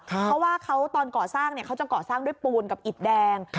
เพราะว่าเขาตอนก่อสร้างเขาจะก่อสร้างด้วยปูนกับอิดแดง